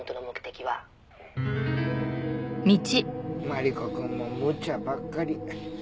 マリコくんもむちゃばっかり。